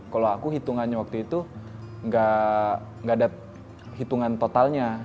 kalau aku hitungannya waktu itu nggak ada hitungan totalnya